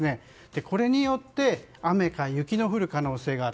これによって雨か雪の降る可能性がある。